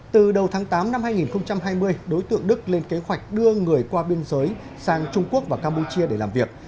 từ đầu tháng tám năm hai nghìn hai mươi đối tượng đức lên kế hoạch đưa người qua biên giới sang trung quốc và campuchia để làm việc